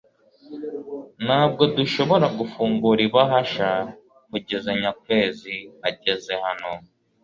Ntabwo dushobora gufungura ibahasha kugeza Nyakwezi ageze hano